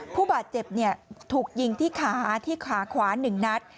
ผู้บาดเจ็บถูกยิงที่ขาที่ขาขวา๑นัด